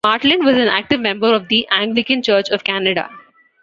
Martland was an active member of the Anglican Church of Canada.